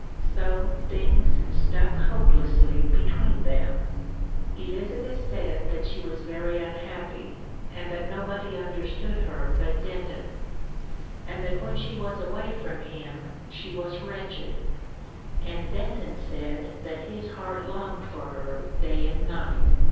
So things stuck hopelessly between them. Elizabeth said that she was very unhappy, and that nobody understood her but Denton, and that when she was away from him she was wretched; and Denton said that his heart longed for her day and night.